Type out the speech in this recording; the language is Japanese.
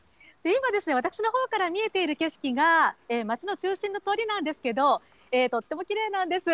今、私のほうから見えている景色が、街の中心の通りなんですけど、とってもきれいなんです。